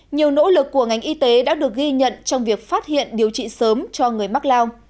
nhiều nỗ lực của ngành y tế đã được ghi nhận trong việc phát hiện điều trị sớm cho người mắc lao